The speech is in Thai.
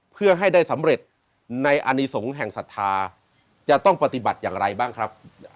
เพื่อให้ได้สำเร็จในอนิสงฆ์แห่งศรัทธาจะต้องปฏิบัติอย่างไรบ้างครับ